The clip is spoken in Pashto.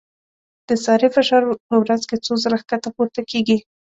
د سارې فشار په ورځ کې څو ځله ښکته پورته کېږي.